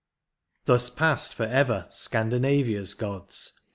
Thus passed for ever Scandinavia's gods.